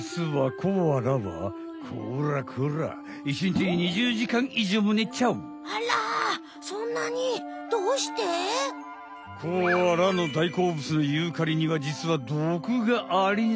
コアラのだいこうぶつのユーカリにはじつは毒がありんす。